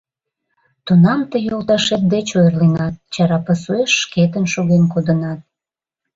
Тунам тый йолташет деч ойырленат, чара пасуэш шкетын шоген кодынат.